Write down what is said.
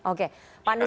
oke pak nusirwan